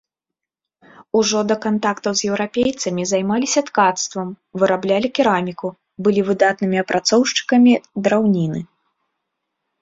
Ужо да кантактаў з еўрапейцамі займаліся ткацтвам, выраблялі кераміку, былі выдатнымі апрацоўшчыкамі драўніны.